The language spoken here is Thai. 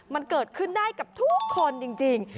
มันเกิดขึ้นได้กับทุกคนจริง